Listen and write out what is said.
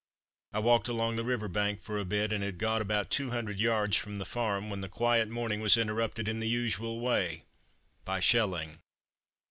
I walked along the river bank for a bit, and had got about two hundred yards from the farm when the quiet morning was interrupted in the usual way, by shelling.